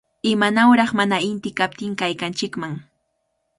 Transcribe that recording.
¡Imanawraq mana inti kaptin kaykanchikman!